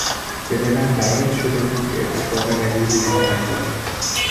به دلم برات شده بود که اتفاق بدی روی خواهد داد.